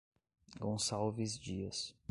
Gonçalves Dias